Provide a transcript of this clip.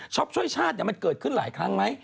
ช่วยชาติมันเกิดขึ้นหลายครั้งไหม